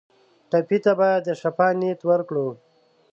ټپي ته باید د شفا نیت وکړو.